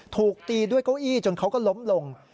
ถูกตีด้วยเก้าอี้จนเขาก็ล้มลง